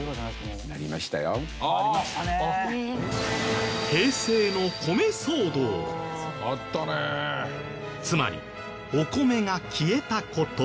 つまりお米が消えた事。